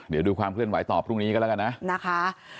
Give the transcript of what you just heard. เดี๋ยวดูความเคลื่อนไหวต่อพรุ่งนี้ก็แล้วกันนะนะคะ